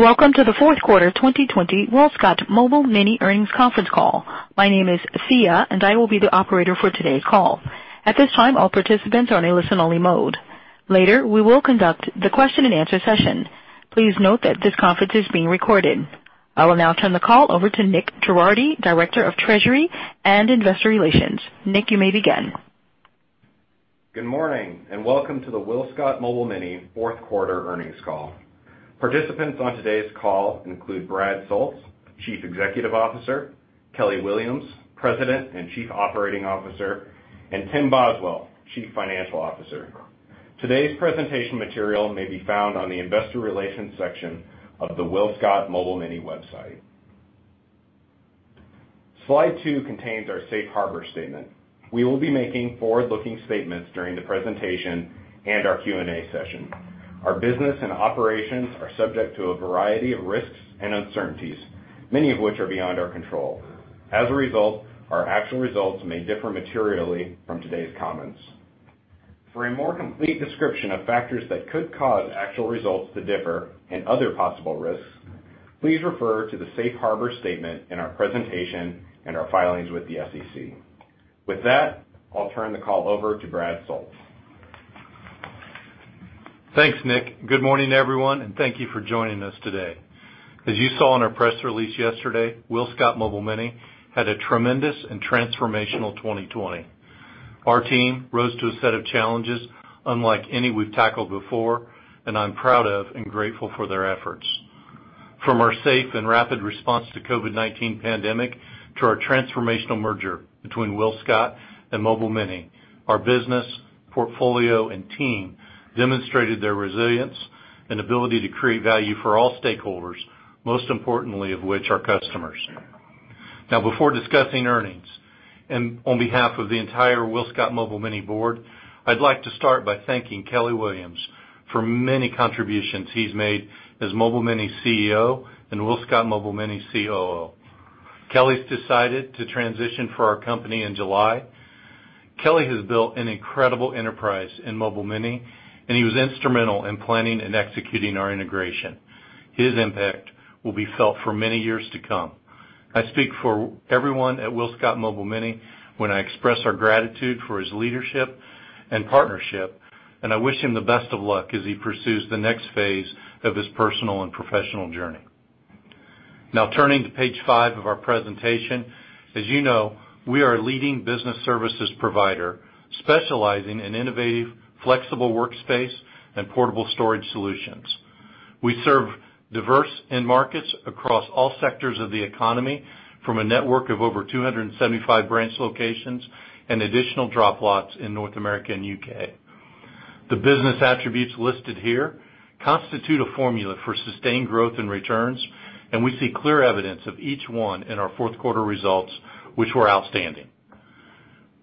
Welcome to the fourth quarter 2020 WillScot Mobile Mini Earnings Conference Call. My name is Thea, and I will be the operator for today's call. At this time, all participants are in a listen-only mode. Later, we will conduct the question-and-answer session. Please note that this conference is being recorded. I will now turn the call over to Nick Girardi, Director of Treasury and Investor Relations. Nick, you may begin. Good morning, and welcome to the WillScot Mobile Mini fourth quarter earnings call. Participants on today's call include Brad Soultz, Chief Executive Officer, Kelly Williams, President and Chief Operating Officer, and Tim Boswell, Chief Financial Officer. Today's presentation material may be found on the Investor Relations section of the WillScot Mobile Mini website. Slide two contains our safe harbor statement. We will be making forward-looking statements during the presentation and our Q&A session. Our business and operations are subject to a variety of risks and uncertainties, many of which are beyond our control. As a result, our actual results may differ materially from today's comments. For a more complete description of factors that could cause actual results to differ and other possible risks, please refer to the safe harbor statement in our presentation and our filings with the SEC. With that, I'll turn the call over to Brad Soultz. Thanks, Nick. Good morning, everyone, and thank you for joining us today. As you saw in our press release yesterday, WillScot Mobile Mini had a tremendous and transformational 2020. Our team rose to a set of challenges unlike any we've tackled before, and I'm proud of and grateful for their efforts. From our safe and rapid response to the COVID-19 pandemic to our transformational merger between WillScot and Mobile Mini, our business, portfolio, and team demonstrated their resilience and ability to create value for all stakeholders, most importantly of which are customers. Now, before discussing earnings, and on behalf of the entire WillScot Mobile Mini board, I'd like to start by thanking Kelly Williams for many contributions he's made as Mobile Mini CEO and WillScot Mobile Mini COO. Kelly's decided to transition from our company in July. Kelly has built an incredible enterprise in Mobile Mini, and he was instrumental in planning and executing our integration. His impact will be felt for many years to come. I speak for everyone at WillScot Mobile Mini when I express our gratitude for his leadership and partnership, and I wish him the best of luck as he pursues the next phase of his personal and professional journey. Now, turning to page five of our presentation, as you know, we are a leading business services provider specializing in innovative, flexible workspace and portable storage solutions. We serve diverse end markets across all sectors of the economy from a network of over 275 branch locations and additional drop lots in North America and the U.K. The business attributes listed here constitute a formula for sustained growth and returns, and we see clear evidence of each one in our fourth quarter results, which were outstanding.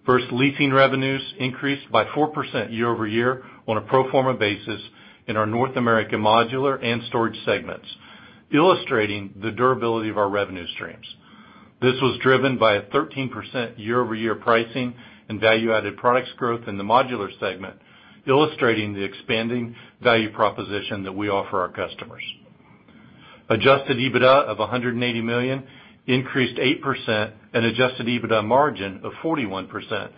First, leasing revenues increased by 4% year over year on a pro forma basis in our North America modular and storage segments, illustrating the durability of our revenue streams. This was driven by a 13% year over year pricing and value-added products growth in the modular segment, illustrating the expanding value proposition that we offer our customers. Adjusted EBITDA of $180 million increased 8%, and adjusted EBITDA margin of 41%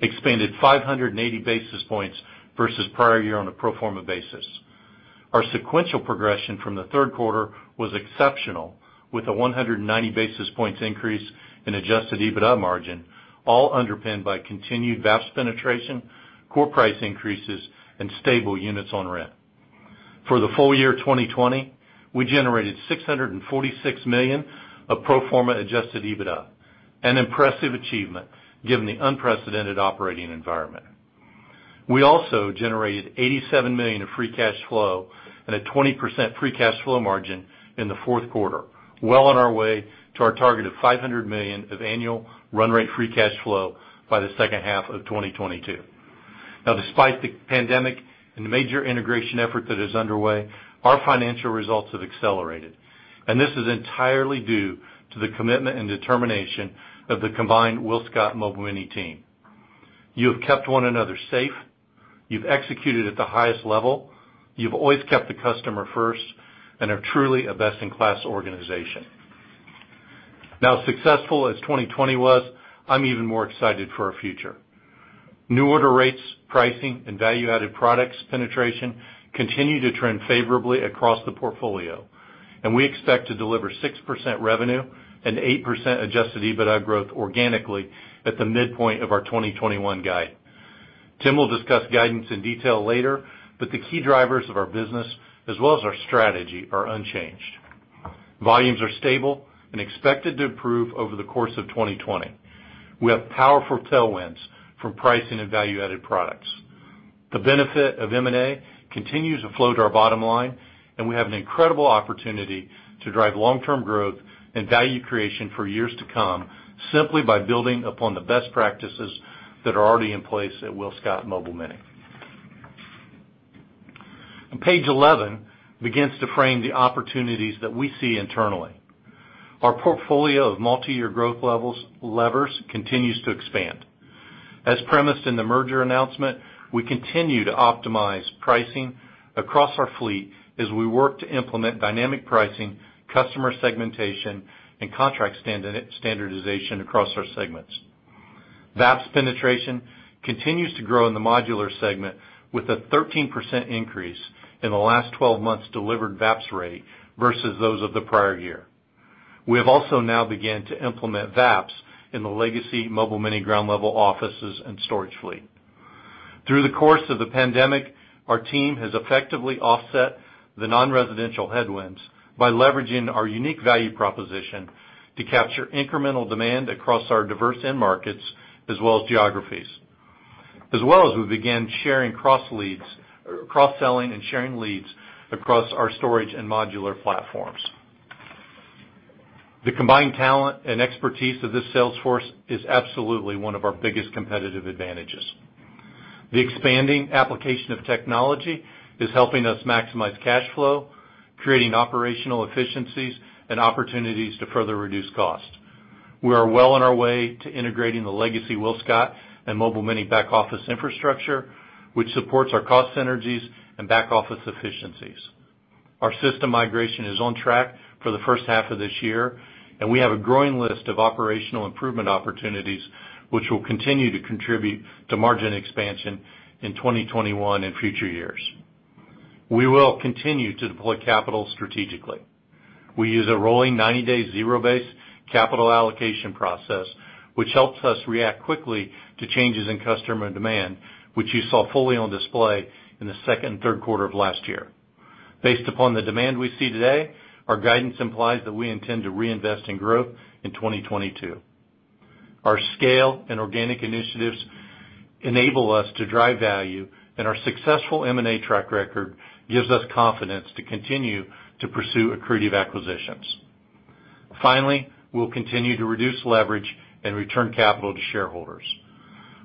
expanded 580 basis points versus prior year on a pro forma basis. Our sequential progression from the third quarter was exceptional, with a 190 basis points increase in adjusted EBITDA margin, all underpinned by continued VAPS penetration, core price increases, and stable units on rent. For the full year 2020, we generated $646 million of pro forma Adjusted EBITDA, an impressive achievement given the unprecedented operating environment. We also generated $87 million of free cash flow and a 20% free cash flow margin in the fourth quarter, well on our way to our target of $500 million of annual run rate free cash flow by the second half of 2022. Now, despite the pandemic and the major integration effort that is underway, our financial results have accelerated, and this is entirely due to the commitment and determination of the combined WillScot Mobile Mini team. You have kept one another safe. You've executed at the highest level. You've always kept the customer first and are truly a best-in-class organization. Now, as successful as 2020 was, I'm even more excited for our future. New order rates, pricing, and value-added products penetration continue to trend favorably across the portfolio, and we expect to deliver 6% revenue and 8% adjusted EBITDA growth organically at the midpoint of our 2021 guide. Tim will discuss guidance in detail later, but the key drivers of our business, as well as our strategy, are unchanged. Volumes are stable and expected to improve over the course of 2020. We have powerful tailwinds from pricing and value-added products. The benefit of M&A continues to float our bottom line, and we have an incredible opportunity to drive long-term growth and value creation for years to come simply by building upon the best practices that are already in place at WillScot Mobile Mini. Page 11 begins to frame the opportunities that we see internally. Our portfolio of multi-year growth levels levers continues to expand. As premised in the merger announcement, we continue to optimize pricing across our fleet as we work to implement dynamic pricing, customer segmentation, and contract standardization across our segments. VAPS penetration continues to grow in the modular segment with a 13% increase in the last 12 months' delivered VAPS rate versus those of the prior year. We have also now begun to implement VAPS in the legacy Mobile Mini ground-level offices and storage fleet. Through the course of the pandemic, our team has effectively offset the non-residential headwinds by leveraging our unique value proposition to capture incremental demand across our diverse end markets as well as geographies, as well as we began sharing cross-selling and sharing leads across our storage and modular platforms. The combined talent and expertise of this sales force is absolutely one of our biggest competitive advantages. The expanding application of technology is helping us maximize cash flow, creating operational efficiencies and opportunities to further reduce cost. We are well on our way to integrating the legacy WillScot and Mobile Mini back-office infrastructure, which supports our cost synergies and back-office efficiencies. Our system migration is on track for the first half of this year, and we have a growing list of operational improvement opportunities, which will continue to contribute to margin expansion in 2021 and future years. We will continue to deploy capital strategically. We use a rolling 90-day zero-based capital allocation process, which helps us react quickly to changes in customer demand, which you saw fully on display in the second and third quarter of last year. Based upon the demand we see today, our guidance implies that we intend to reinvest in growth in 2022. Our scale and organic initiatives enable us to drive value, and our successful M&A track record gives us confidence to continue to pursue accretive acquisitions. Finally, we'll continue to reduce leverage and return capital to shareholders.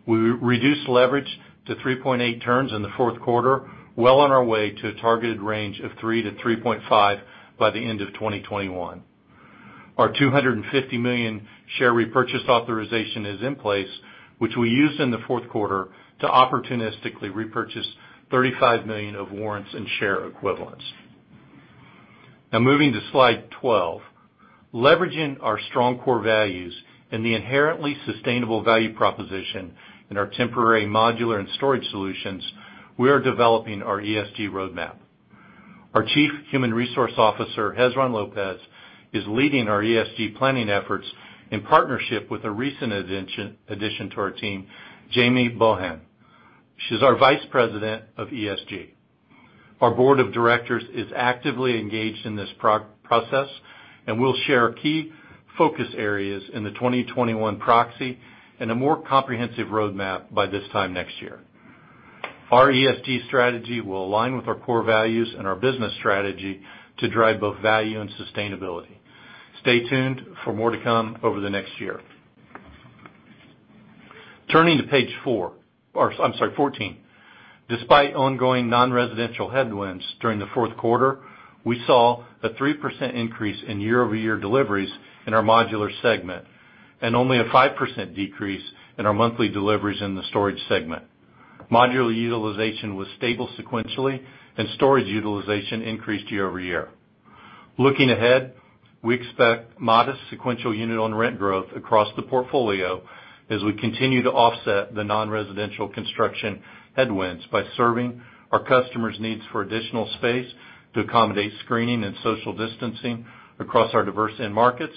We reduced leverage to 3.8 turns in the fourth quarter, well on our way to a targeted range of 3-3.5 by the end of 2021. Our 250 million share repurchase authorization is in place, which we used in the fourth quarter to opportunistically repurchase 35 million of warrants and share equivalents. Now, moving to slide 12, leveraging our strong core values and the inherently sustainable value proposition in our temporary modular and storage solutions, we are developing our ESG roadmap. Our Chief Human Resources Officer, Hezron Lopez, is leading our ESG planning efforts in partnership with a recent addition to our team, Jamie Bohan. She's our Vice President of ESG. Our board of directors is actively engaged in this process and will share key focus areas in the 2021 proxy and a more comprehensive roadmap by this time next year. Our ESG strategy will align with our core values and our business strategy to drive both value and sustainability. Stay tuned for more to come over the next year. Turning to page four, or I'm sorry, 14. Despite ongoing non-residential headwinds during the fourth quarter, we saw a 3% increase in year-over-year deliveries in our modular segment and only a 5% decrease in our monthly deliveries in the storage segment. Modular utilization was stable sequentially, and storage utilization increased year-over-year. Looking ahead, we expect modest sequential unit-on-rent growth across the portfolio as we continue to offset the non-residential construction headwinds by serving our customers' needs for additional space to accommodate screening and social distancing across our diverse end markets,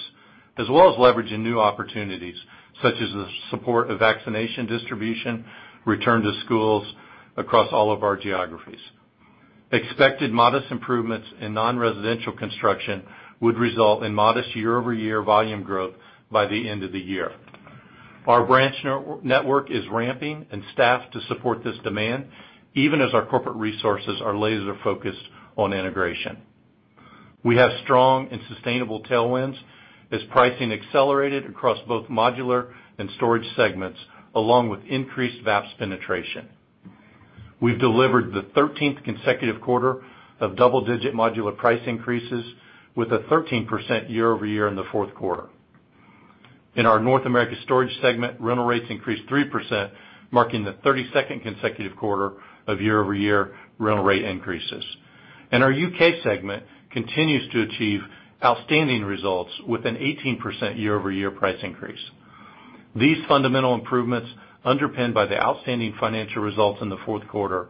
as well as leveraging new opportunities such as the support of vaccination distribution, return to schools across all of our geographies. Expected modest improvements in non-residential construction would result in modest year-over-year volume growth by the end of the year. Our branch network is ramping and staffed to support this demand, even as our corporate resources are laser-focused on integration. We have strong and sustainable tailwinds as pricing accelerated across both modular and storage segments, along with increased VAPS penetration. We've delivered the 13th consecutive quarter of double-digit modular price increases with a 13% year-over-year in the fourth quarter. In our North America storage segment, rental rates increased 3%, marking the 32nd consecutive quarter of year-over-year rental rate increases, and our U.K. segment continues to achieve outstanding results with an 18% year-over-year price increase. These fundamental improvements, underpinned by the outstanding financial results in the fourth quarter,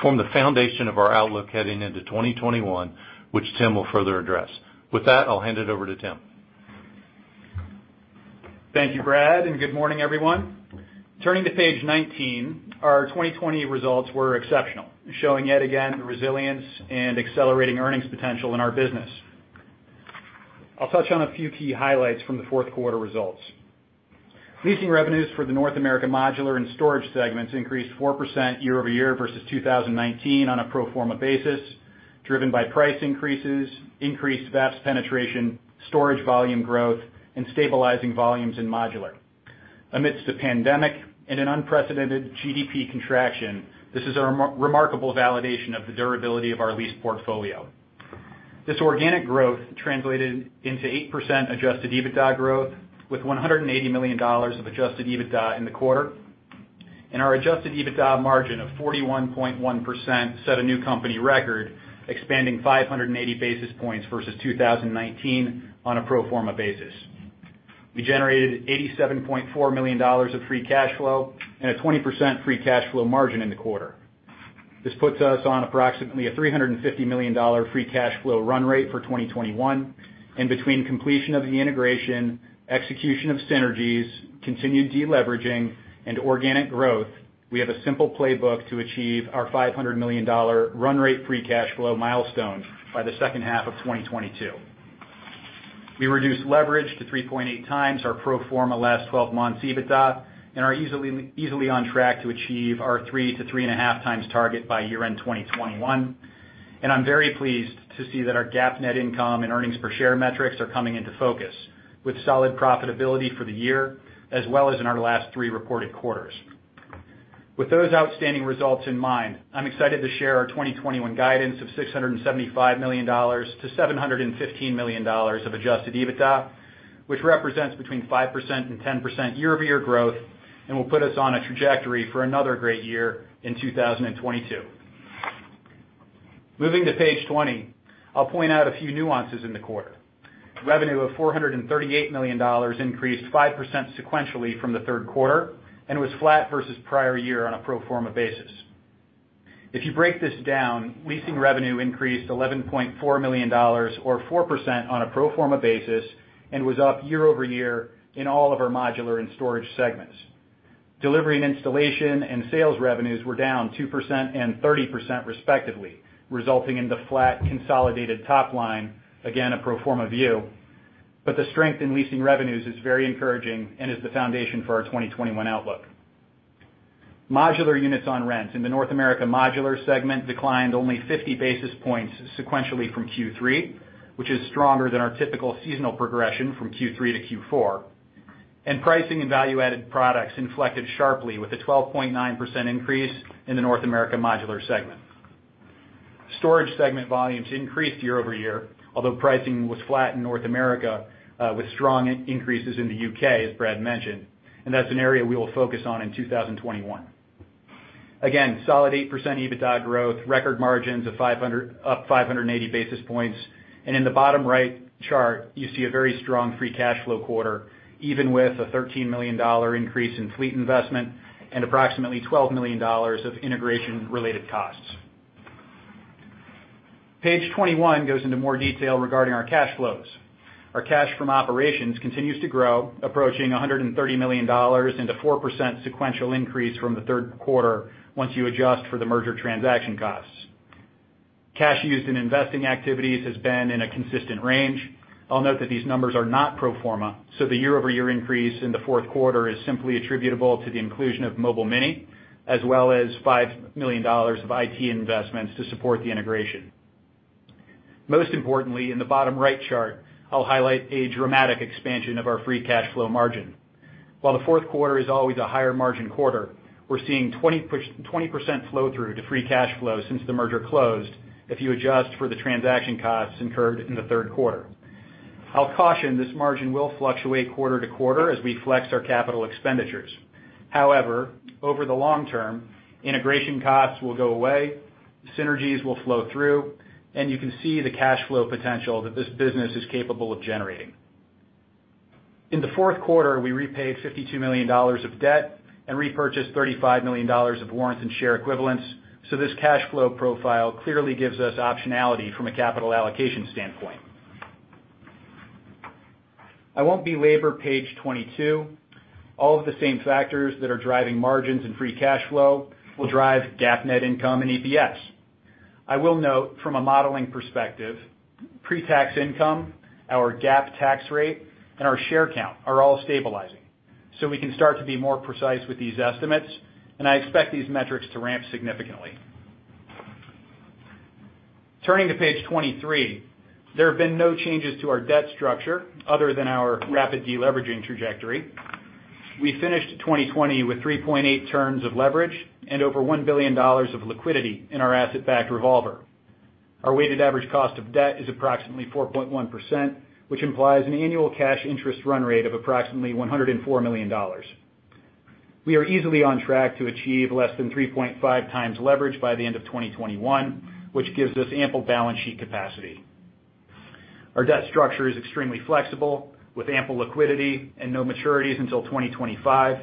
form the foundation of our outlook heading into 2021, which Tim will further address. With that, I'll hand it over to Tim. Thank you, Brad, and good morning, everyone. Turning to page 19, our 2020 results were exceptional, showing yet again the resilience and accelerating earnings potential in our business. I'll touch on a few key highlights from the fourth quarter results. Leasing revenues for the North America modular and storage segments increased 4% year-over-year versus 2019 on a pro forma basis, driven by price increases, increased VAPS penetration, storage volume growth, and stabilizing volumes in modular. Amidst a pandemic and an unprecedented GDP contraction, this is a remarkable validation of the durability of our lease portfolio. This organic growth translated into 8% adjusted EBITDA growth with $180 million of adjusted EBITDA in the quarter. Our adjusted EBITDA margin of 41.1% set a new company record, expanding 580 basis points versus 2019 on a pro forma basis. We generated $87.4 million of Free Cash Flow and a 20% Free Cash Flow margin in the quarter. This puts us on approximately a $350 million Free Cash Flow run rate for 2021. And between completion of the integration, execution of synergies, continued deleveraging, and organic growth, we have a simple playbook to achieve our $500 million run rate Free Cash Flow milestone by the second half of 2022. We reduced leverage to 3.8 times our pro forma last 12 months EBITDA and are easily on track to achieve our 3 to 3.5 times target by year-end 2021. And I'm very pleased to see that our GAAP net income and earnings per share metrics are coming into focus with solid profitability for the year, as well as in our last three reported quarters. With those outstanding results in mind, I'm excited to share our 2021 guidance of $675 million-$715 million of Adjusted EBITDA, which represents between 5% and 10% year-over-year growth and will put us on a trajectory for another great year in 2022. Moving to page 20, I'll point out a few nuances in the quarter. Revenue of $438 million increased 5% sequentially from the third quarter and was flat versus prior year on a Pro forma basis. If you break this down, leasing revenue increased $11.4 million, or 4% on a Pro forma basis, and was up year-over-year in all of our modular and storage segments. Delivery and installation and sales revenues were down 2% and 30% respectively, resulting in the flat consolidated top line, again a Pro forma view. But the strength in leasing revenues is very encouraging and is the foundation for our 2021 outlook. Modular units on rent in the North America modular segment declined only 50 basis points sequentially from Q3, which is stronger than our typical seasonal progression from Q3 to Q4. And pricing and value-added products inflected sharply with a 12.9% increase in the North America modular segment. Storage segment volumes increased year-over-year, although pricing was flat in North America with strong increases in the U.K., as Brad mentioned, and that's an area we will focus on in 2021. Again, solid 8% EBITDA growth, record margins of up 580 basis points. And in the bottom right chart, you see a very strong free cash flow quarter, even with a $13 million increase in fleet investment and approximately $12 million of integration-related costs. Page 21 goes into more detail regarding our cash flows. Our cash from operations continues to grow, approaching $130 million and a 4% sequential increase from the third quarter once you adjust for the merger transaction costs. Cash used in investing activities has been in a consistent range. I'll note that these numbers are not pro forma, so the year-over-year increase in the fourth quarter is simply attributable to the inclusion of Mobile Mini, as well as $5 million of IT investments to support the integration. Most importantly, in the bottom right chart, I'll highlight a dramatic expansion of our free cash flow margin. While the fourth quarter is always a higher margin quarter, we're seeing 20% flow-through to free cash flow since the merger closed if you adjust for the transaction costs incurred in the third quarter. I'll caution this margin will fluctuate quarter to quarter as we flex our capital expenditures. However, over the long term, integration costs will go away, synergies will flow through, and you can see the cash flow potential that this business is capable of generating. In the fourth quarter, we repaid $52 million of debt and repurchased $35 million of warrants and share equivalents, so this cash flow profile clearly gives us optionality from a capital allocation standpoint. I won't belabor page 22. All of the same factors that are driving margins and free cash flow will drive GAAP net income and EPS. I will note, from a modeling perspective, pre-tax income, our GAAP tax rate, and our share count are all stabilizing, so we can start to be more precise with these estimates, and I expect these metrics to ramp significantly. Turning to page 23, there have been no changes to our debt structure other than our rapid deleveraging trajectory. We finished 2020 with 3.8 turns of leverage and over $1 billion of liquidity in our asset-backed revolver. Our weighted average cost of debt is approximately 4.1%, which implies an annual cash interest run rate of approximately $104 million. We are easily on track to achieve less than 3.5x leverage by the end of 2021, which gives us ample balance sheet capacity. Our debt structure is extremely flexible with ample liquidity and no maturities until 2025,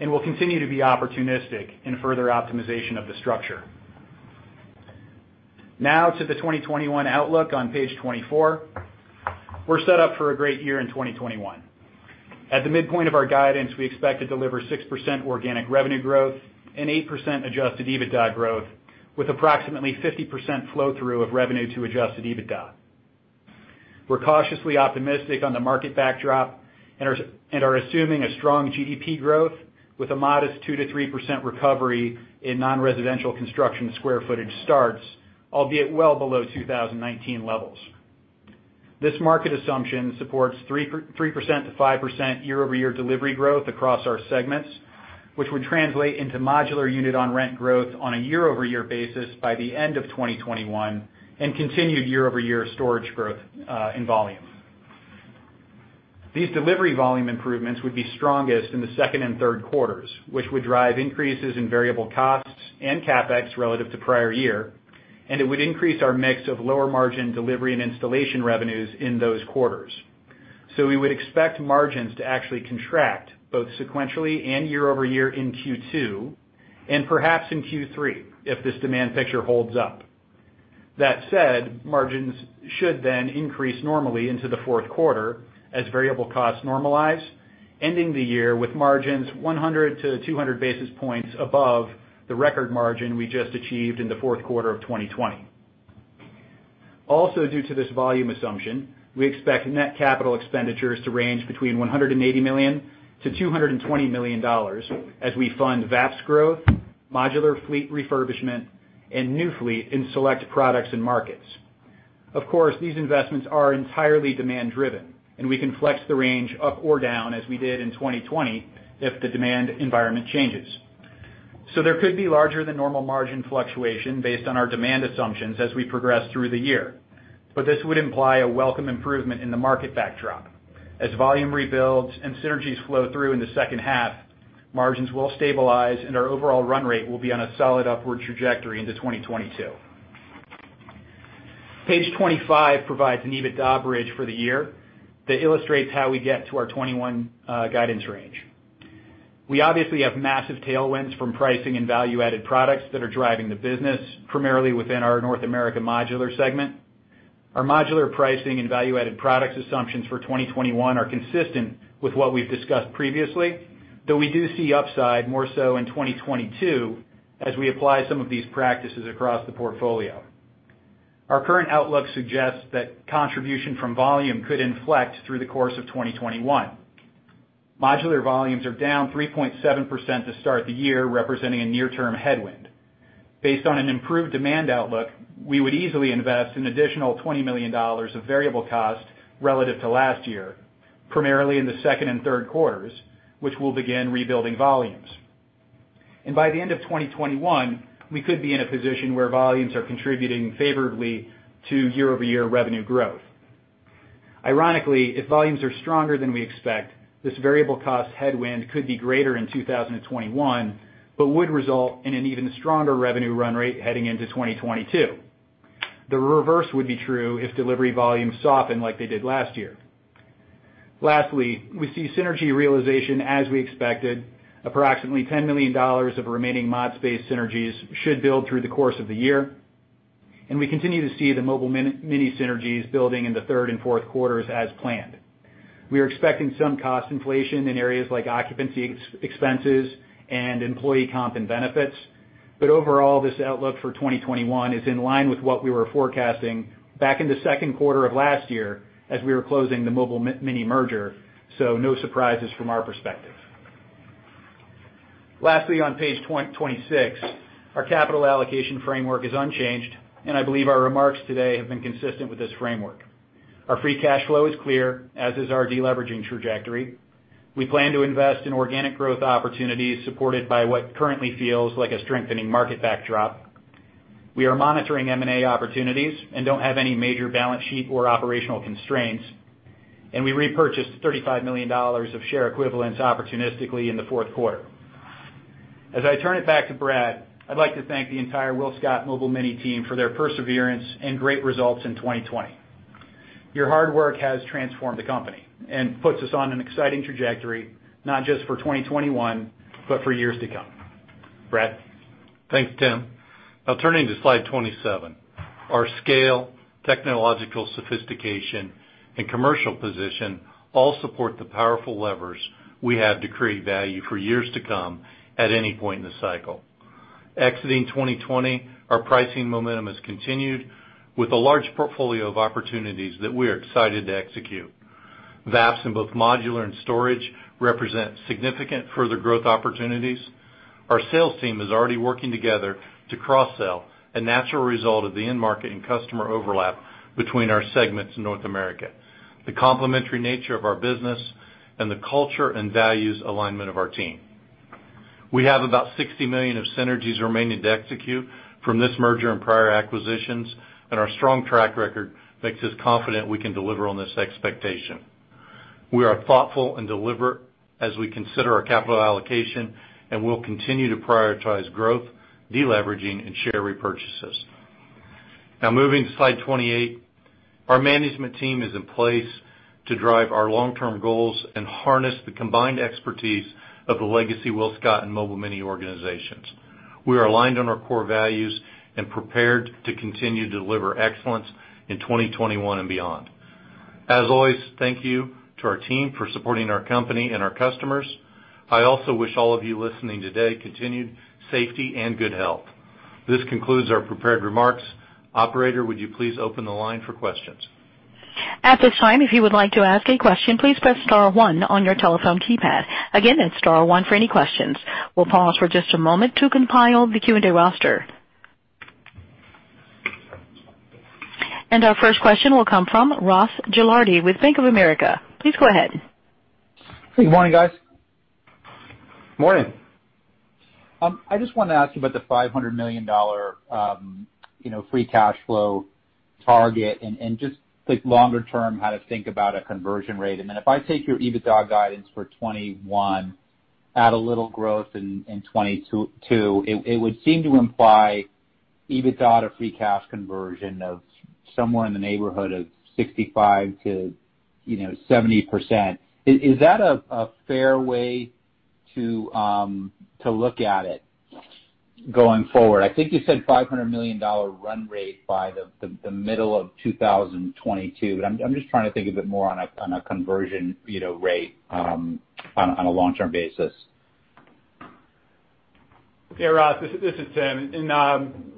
and we'll continue to be opportunistic in further optimization of the structure. Now, to the 2021 outlook on page 24, we're set up for a great year in 2021. At the midpoint of our guidance, we expect to deliver 6% organic revenue growth and 8% Adjusted EBITDA growth with approximately 50% flow-through of revenue to Adjusted EBITDA. We're cautiously optimistic on the market backdrop and are assuming a strong GDP growth with a modest 2%-3% recovery in non-residential construction square footage starts, albeit well below 2019 levels. This market assumption supports 3%-5% year-over-year delivery growth across our segments, which would translate into modular unit-on-rent growth on a year-over-year basis by the end of 2021 and continued year-over-year storage growth in volume. These delivery volume improvements would be strongest in the second and third quarters, which would drive increases in variable costs and CapEx relative to prior year, and it would increase our mix of lower margin delivery and installation revenues in those quarters. So we would expect margins to actually contract both sequentially and year-over-year in Q2 and perhaps in Q3 if this demand picture holds up. That said, margins should then increase normally into the fourth quarter as variable costs normalize, ending the year with margins 100-200 basis points above the record margin we just achieved in the fourth quarter of 2020. Also, due to this volume assumption, we expect net capital expenditures to range between $180-$220 million as we fund VAPS growth, modular fleet refurbishment, and new fleet in select products and markets. Of course, these investments are entirely demand-driven, and we can flex the range up or down as we did in 2020 if the demand environment changes. So there could be larger-than-normal margin fluctuation based on our demand assumptions as we progress through the year, but this would imply a welcome improvement in the market backdrop. As volume rebuilds and synergies flow through in the second half, margins will stabilize and our overall run rate will be on a solid upward trajectory into 2022. Page 25 provides an EBITDA bridge for the year that illustrates how we get to our 2021 guidance range. We obviously have massive tailwinds from pricing and value-added products that are driving the business, primarily within our North America modular segment. Our modular pricing and value-added products assumptions for 2021 are consistent with what we've discussed previously, though we do see upside more so in 2022 as we apply some of these practices across the portfolio. Our current outlook suggests that contribution from volume could inflect through the course of 2021. Modular volumes are down 3.7% to start the year, representing a near-term headwind. Based on an improved demand outlook, we would easily invest an additional $20 million of variable costs relative to last year, primarily in the second and third quarters, which will begin rebuilding volumes, and by the end of 2021, we could be in a position where volumes are contributing favorably to year-over-year revenue growth. Ironically, if volumes are stronger than we expect, this variable cost headwind could be greater in 2021 but would result in an even stronger revenue run rate heading into 2022. The reverse would be true if delivery volumes soften like they did last year. Lastly, we see synergy realization as we expected. Approximately $10 million of remaining ModSpace synergies should build through the course of the year, and we continue to see the Mobile Mini synergies building in the third and fourth quarters as planned. We are expecting some cost inflation in areas like occupancy expenses and employee comp and benefits, but overall, this outlook for 2021 is in line with what we were forecasting back in the second quarter of last year as we were closing the Mobile Mini merger, so no surprises from our perspective. Lastly, on page 26, our capital allocation framework is unchanged, and I believe our remarks today have been consistent with this framework. Our free cash flow is clear, as is our deleveraging trajectory. We plan to invest in organic growth opportunities supported by what currently feels like a strengthening market backdrop. We are monitoring M&A opportunities and don't have any major balance sheet or operational constraints, and we repurchased $35 million of share equivalents opportunistically in the fourth quarter. As I turn it back to Brad, I'd like to thank the entire WillScot Mobile Mini team for their perseverance and great results in 2020. Your hard work has transformed the company and puts us on an exciting trajectory, not just for 2021, but for years to come. Brad. Thanks, Tim. Now, turning to slide 27, our scale, technological sophistication, and commercial position all support the powerful levers we have to create value for years to come at any point in the cycle. Exiting 2020, our pricing momentum has continued with a large portfolio of opportunities that we are excited to execute. VAPS in both modular and storage represent significant further growth opportunities. Our sales team is already working together to cross-sell, a natural result of the end market and customer overlap between our segments in North America, the complementary nature of our business, and the culture and values alignment of our team. We have about $60 million of synergies remaining to execute from this merger and prior acquisitions, and our strong track record makes us confident we can deliver on this expectation. We are thoughtful and deliberate as we consider our capital allocation and will continue to prioritize growth, deleveraging, and share repurchases. Now, moving to slide 28, our management team is in place to drive our long-term goals and harness the combined expertise of the legacy WillScot and Mobile Mini organizations. We are aligned on our core values and prepared to continue to deliver excellence in 2021 and beyond. As always, thank you to our team for supporting our company and our customers. I also wish all of you listening today continued safety and good health. This concludes our prepared remarks. Operator, would you please open the line for questions? At this time, if you would like to ask a question, please press star one on your telephone keypad. Again, that's star one for any questions. We'll pause for just a moment to compile the Q&A roster, and our first question will come from Ross Gilardi with Bank of America. Please go ahead. Hey, good morning, guys. Morning. I just wanted to ask you about the $500 million, you know, free cash flow target and, and just, like, longer-term how to think about a conversion rate. Then if I take your EBITDA guidance for 2021, add a little growth in 2022, it would seem to imply EBITDA to free cash conversion of somewhere in the neighborhood of 65%-70%. Is that a fair way to look at it going forward? I think you said $500 million run rate by the middle of 2022, but I'm just trying to think a bit more on a conversion, you know, rate on a long-term basis. Yeah, Ross, this is Tim.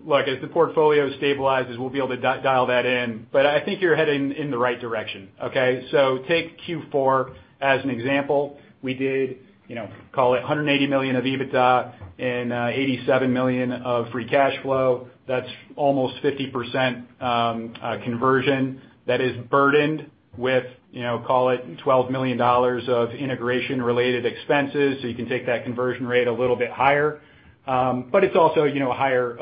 Look, as the portfolio stabilizes, we'll be able to dial that in, but I think you're heading in the right direction, okay? So take Q4 as an example. We did, you know, call it $180 million of EBITDA and $87 million of free cash flow. That's almost 50% conversion that is burdened with, you know, call it $12 million of integration-related expenses, so you can take that conversion rate a little bit higher, but it's also, you know, a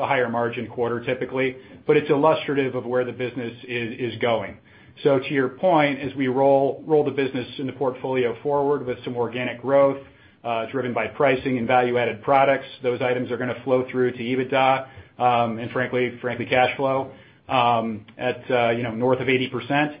higher margin quarter, typically, but it's illustrative of where the business is going. So to your point, as we roll the business in the portfolio forward with some organic growth, driven by pricing and value-added products, those items are gonna flow through to EBITDA, and frankly, cash flow, at, you know, north of 80%,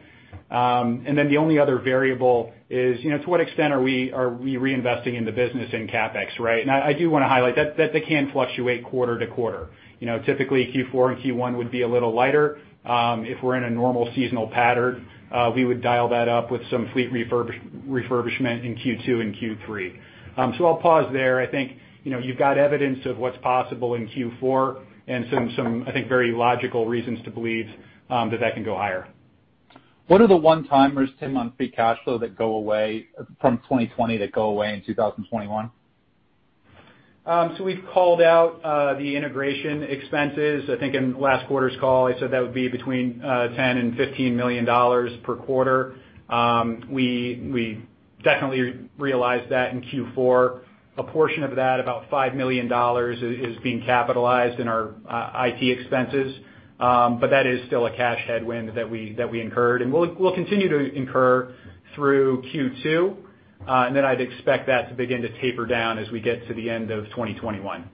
and then the only other variable is, you know, to what extent are we reinvesting in the business in CapEx, right, and I do wanna highlight that they can fluctuate quarter to quarter. You know, typically, Q4 and Q1 would be a little lighter. If we're in a normal seasonal pattern, we would dial that up with some fleet refurbish, refurbishment in Q2 and Q3. So I'll pause there. I think, you know, you've got evidence of what's possible in Q4 and some, some, I think, very logical reasons to believe, that that can go higher. What are the one-timers, Tim, on free cash flow that go away from 2020 that go away in 2021? So we've called out, the integration expenses. I think in last quarter's call, I said that would be between, $10 and $15 million per quarter. We, we definitely realized that in Q4. A portion of that, about $5 million, is, is being capitalized in our, IT expenses, but that is still a cash headwind that we, that we incurred, and we'll, we'll continue to incur through Q2. And then I'd expect that to begin to taper down as we get to the end of 2021.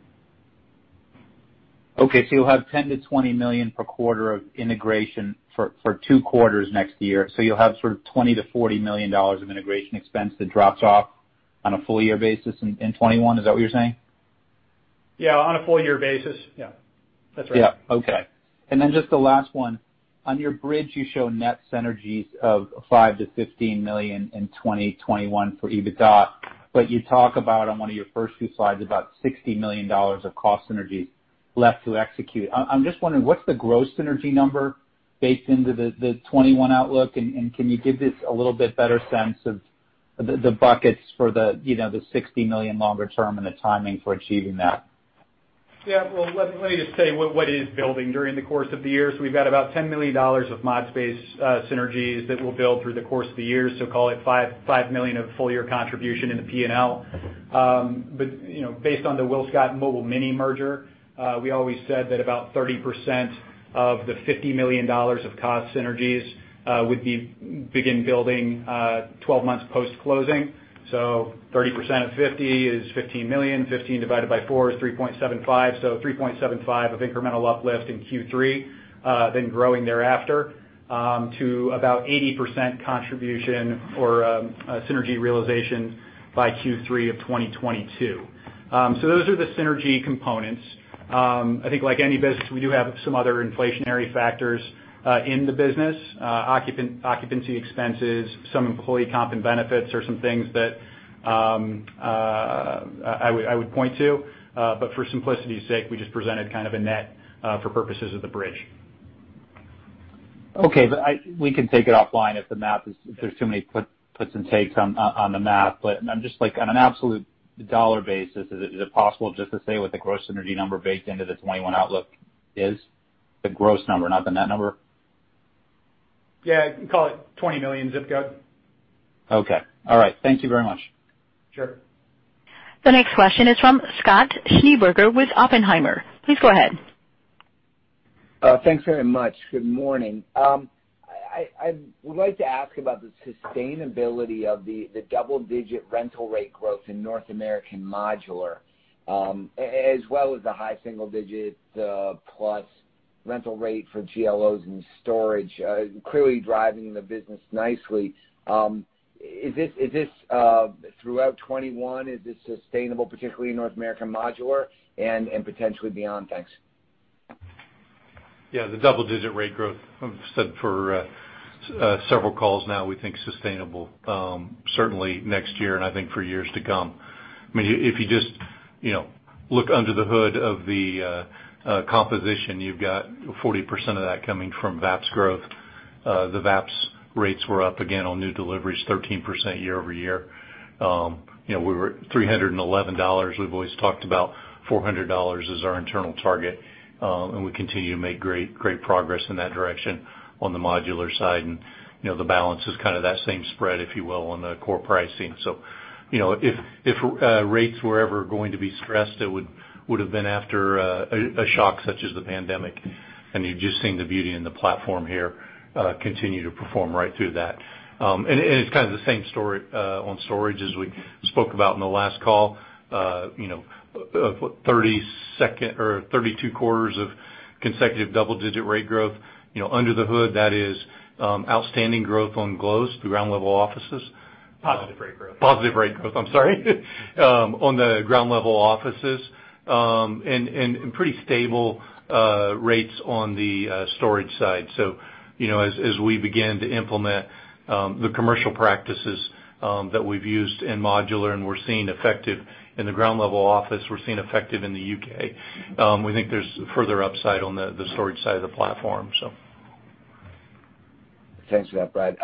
Okay. So you'll have $10-$20 million per quarter of integration for two quarters next year. So you'll have sort of $20-$40 million of integration expense that drops off on a full-year basis in 2021. Is that what you're saying? Yeah, on a full-year basis. Yeah, that's right. Yeah. Okay. And then just the last one. On your bridge, you show net synergies of $5-$15 million in 2021 for EBITDA, but you talk about on one of your first two slides about $60 million of cost synergies left to execute. I'm just wondering, what's the gross synergy number baked into the 2021 outlook? And can you give this a little bit better sense of the buckets for the, you know, the $60 million longer term and the timing for achieving that? Yeah, well, let me just tell you what it is building during the course of the year. So we've got about $10 million of ModSpace synergies that we'll build through the course of the year, so call it $5 million of full-year contribution in the P&L, but you know, based on the WillScot Mobile Mini merger, we always said that about 30% of the $50 million of cost synergies would begin building 12 months post-closing. So 30% of 50 is $15 million. $15 million divided by four is $3.75, so $3.75 million of incremental uplift in Q3, then growing thereafter to about 80% contribution or synergy realization by Q3 of 2022, so those are the synergy components. I think like any business, we do have some other inflationary factors in the business, occupancy expenses, some employee comp and benefits are some things that I would point to, but for simplicity's sake, we just presented kind of a net for purposes of the bridge. Okay. But we can take it offline if the math is if there's too many puts and takes on the math, but I'm just like on an absolute dollar basis, is it possible just to say what the gross synergy number baked into the 2021 outlook is? The gross number, not the net number? Yeah. Call it $20 million zip code. Okay. All right. Thank you very much. Sure. The next question is from Scott Schneeberger with Oppenheimer. Please go ahead. Thanks very much. Good morning. I would like to ask about the sustainability of the double-digit rental rate growth in North American modular, as well as the high single-digit plus rental rate for GLOs and storage, clearly driving the business nicely. Is this throughout 2021 sustainable, particularly in North American modular and potentially beyond? Thanks. Yeah. The double-digit rate growth, I've said for several calls now, we think sustainable, certainly next year and I think for years to come. I mean, if you just, you know, look under the hood of the composition, you've got 40% of that coming from VAPS growth. The VAPS rates were up again on new deliveries, 13% year over year. You know, we were $311. We've always talked about $400 as our internal target, and we continue to make great progress in that direction on the modular side. You know, the balance is kind of that same spread, if you will, on the core pricing. So, you know, if rates were ever going to be stressed, it would have been after a shock such as the pandemic. You've just seen the beauty in the platform here continue to perform right through that. It's kind of the same story on storage as we spoke about in the last call. You know, 32 quarters of consecutive double-digit rate growth, you know, under the hood, that is, outstanding growth on GLOs, the ground-level offices. Positive rate growth. I'm sorry. On the ground-level offices, and pretty stable rates on the storage side. So, you know, as we begin to implement the commercial practices that we've used in modular and we're seeing effective in the ground-level office, we're seeing effective in the U.K. We think there's further upside on the storage side of the platform. Thanks for that, Brad.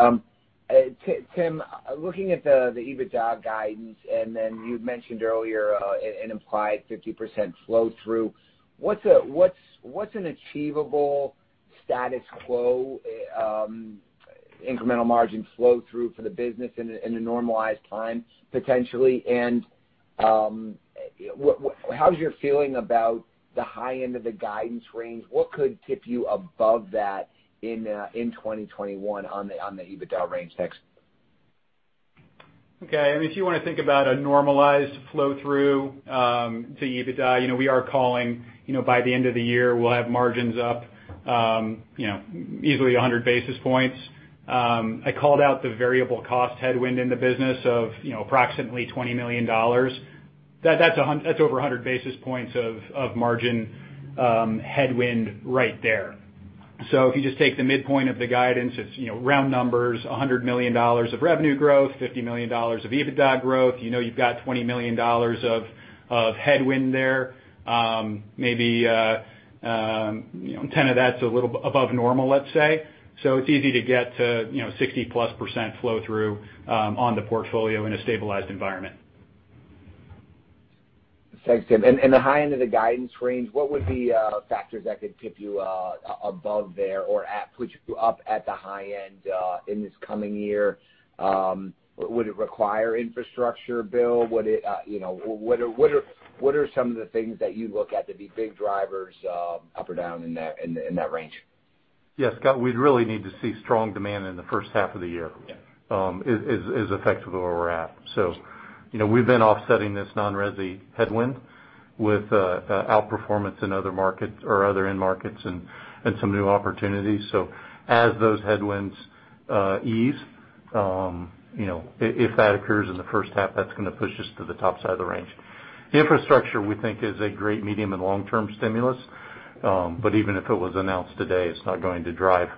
Tim, looking at the EBITDA guidance, and then you mentioned earlier an implied 50% flow-through, what's an achievable status quo incremental margin flow-through for the business in a normalized time, potentially? And what, how's your feeling about the high end of the guidance range? What could tip you above that in 2021 on the EBITDA range next? Okay. I mean, if you wanna think about a normalized flow-through to EBITDA, you know, we are calling, you know, by the end of the year, we'll have margins up, you know, easily 100 basis points. I called out the variable cost headwind in the business of, you know, approximately $20 million. That's over 100 basis points of margin headwind right there. So if you just take the midpoint of the guidance, it's, you know, round numbers, $100 million of revenue growth, $50 million of EBITDA growth, you know, you've got $20 million of headwind there, maybe, you know, 10 of that's a little above normal, let's say. So it's easy to get to, you know, 60-plus% flow-through on the portfolio in a stabilized environment. Thanks, Tim. And the high end of the guidance range, what would be factors that could tip you above there or put you up at the high end in this coming year? Would it require infrastructure bill? You know, what are some of the things that you'd look at to be big drivers up or down in that range? Yeah. Scott, we'd really need to see strong demand in the first half of the year. Yeah, it is effective where we're at. So, you know, we've been offsetting this non-resi headwind with outperformance in other markets or end markets and some new opportunities. So as those headwinds ease, you know, if that occurs in the first half, that's gonna push us to the top side of the range. Infrastructure, we think, is a great medium and long-term stimulus, but even if it was announced today, it's not going to drive,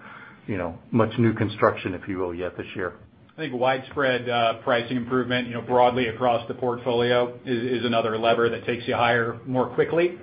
you know, much new construction, if you will, yet this year. I think widespread, pricing improvement, you know, broadly across the portfolio is another lever that takes you higher more quickly.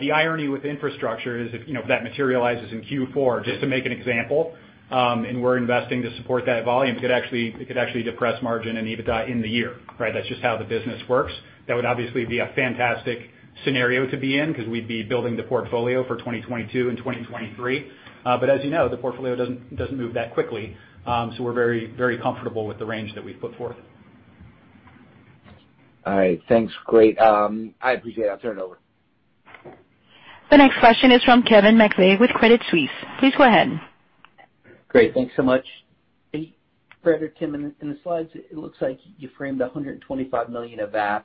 The irony with infrastructure is if, you know, if that materializes in Q4, just to make an example, and we're investing to support that volume, it could actually depress margin and EBITDA in the year, right? That's just how the business works. That would obviously be a fantastic scenario to be in 'cause we'd be building the portfolio for 2022 and 2023. But as you know, the portfolio doesn't move that quickly. So we're very, very comfortable with the range that we've put forth. All right. Thanks. Great. I appreciate it. I'll turn it over. The next question is from Kevin McVeigh with Credit Suisse. Please go ahead. Great. Thanks so much. Hey, Brad, or Tim, in the slides, it looks like you framed $125 million of VAPS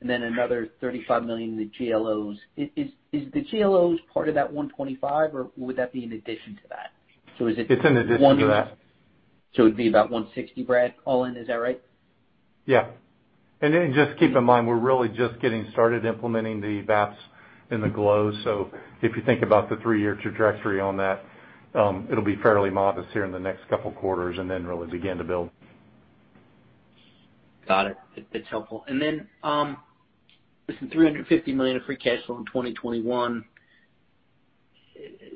and then another $35 million in the GLOs. Is the GLOs part of that 125, or would that be in addition to that? So is it one? It's in addition to that. So it'd be about 160, Brad, all in. Is that right? Yeah. And just keep in mind, we're really just getting started implementing the VAPS in the GLOs. So if you think about the three-year trajectory on that, it'll be fairly modest here in the next couple quarters and then really begin to build. Got it. That's helpful. And then, listen, $350 million of free cash flow in 2021,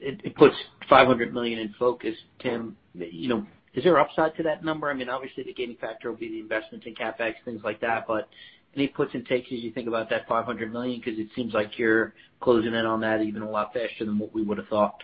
it puts $500 million in focus. Tim, you know, is there upside to that number? I mean, obviously, the gaining factor will be the investment in CapEx, things like that, but any puts and takes as you think about that $500 million? 'Cause it seems like you're closing in on that even a lot faster than what we would've thought.